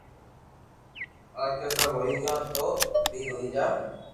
باڪي سب ھوئي گيو تو بي ھوئي جا